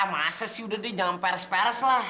masa sih udah deh jangan peres peres lah